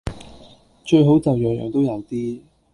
最好就樣樣都有啲